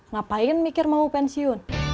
ngapain mikir mau pensiun